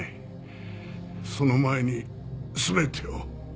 その前に全てを。